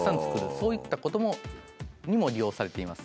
そういったことにも利用されています。